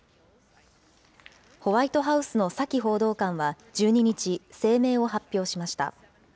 ホワイトハウスのサキ報道官は１２日、声明を発表しました。